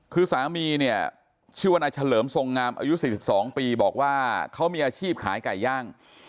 คือสามีเนี่ยชื่อว่านายเฉลิมทรงงามอายุ๔๒ปีบอกว่าเขามีอาชีพขายไก่ย่าง